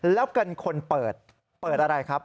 แล้วเป็นคนเปิดเปิดอะไรครับ